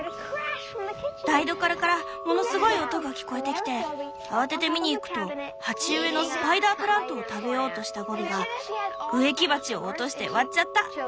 台所からものすごい音が聞こえてきて慌てて見にいくと鉢植えのスパイダープラントを食べようとしたゴビが植木鉢を落として割っちゃった！